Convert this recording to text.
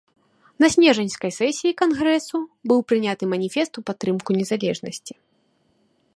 На снежаньскай сесіі кангрэсу быў прыняты маніфест ў падтрымку незалежнасці.